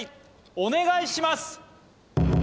お願いします